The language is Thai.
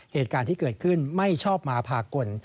เหตุการณ์ที่เกิดขึ้นไม่ชอบมาพากล